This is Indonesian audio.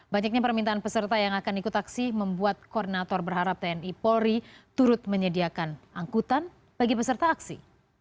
banyaknya permintaan peserta yang akan ikut aksi membuat koordinator berharap tni polri turut menyediakan angkutan bagi peserta aksi